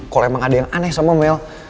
kalau emang ada yang aneh sama mel